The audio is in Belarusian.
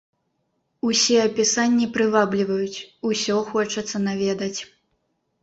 Усе апісанні прывабліваюць, усё хочацца наведаць.